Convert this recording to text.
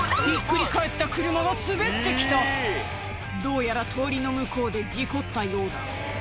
ひっくり返った車が滑って来たどうやら通りの向こうで事故ったようだ